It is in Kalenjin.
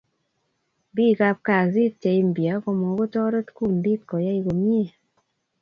biik kab kazit cheimpya komokutoret kundiikoyei komie